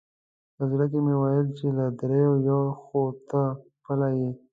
په زړه کې مې وویل چې له درېیو یو خو ته خپله یې.